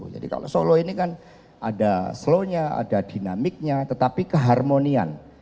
jadi kalau solo ini kan ada slownya ada dinamiknya tetapi keharmonian